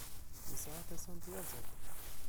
Yesɛa tasa n tyaẓiḍt.